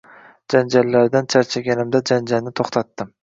Janjallardan charchaganimda janjalni toʻxtatdim.